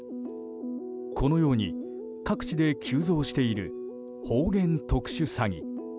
このように各地で急増している方言特殊詐欺。